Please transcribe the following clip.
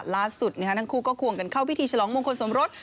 ล่าสุดทั้งคู่ก็ควงกันเข้าพิธีฉลองมงคลสมรส